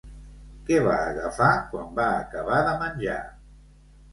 Què va agafar quan va acabar de menjar?